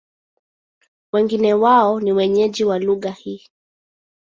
Wengi wao ni wenyeji wa lugha hii.